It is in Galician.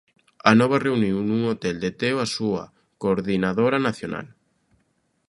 Anova reuniu non hotel de Teo á súa coordinadora nacional.